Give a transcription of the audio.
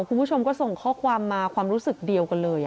คุณผู้ชมก็ส่งข้อความมาความรู้สึกเดียวกันเลย